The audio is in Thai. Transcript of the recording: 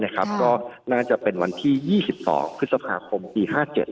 ก็น่าจะเป็นวันที่๒๒พฤษภาคมปี๕๗